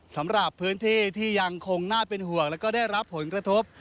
สำหรับพื้นที่ที่ยังคงน่าเป็นห่วงแล้วก็ได้รับผลกระทบ